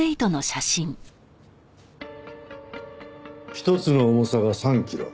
一つの重さが３キロ。